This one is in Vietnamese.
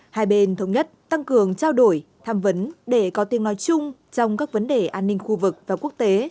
hai bên thống nhất tăng cường trao đổi tham vấn để có tiếng nói chung trong các vấn đề an ninh khu vực và quốc tế